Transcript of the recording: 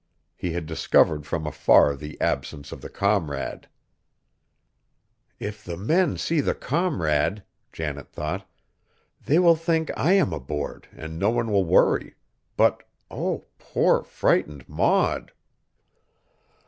He had discovered from afar the absence of the Comrade. "If the men see the Comrade," Janet thought, "they will think I am aboard, and no one will worry but oh! poor, frightened Maud!"